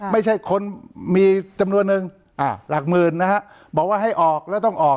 ไม่ใช่คนมีจำนวนนึงหลักหมื่นนะฮะบอกว่าให้ออกแล้วต้องออก